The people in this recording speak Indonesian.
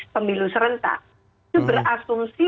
pemilu serentak itu berasumsi